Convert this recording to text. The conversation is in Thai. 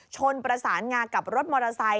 ชนประสานงากับรถมอเตอร์ไซค